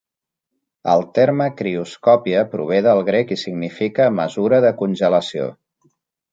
El terme crioscòpia prové del grec i significa "mesura de congelació".